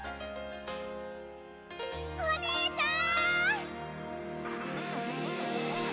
お姉ちゃーん！